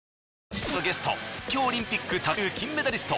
今夜のゲスト東京オリンピック卓球金メダリスト